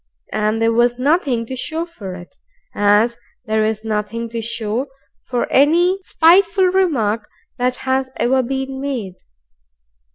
And there was nothing to show for it, as there is nothing to show for any spiteful remark that has ever been made.